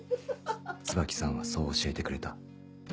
椿さんはそう教えてくれた。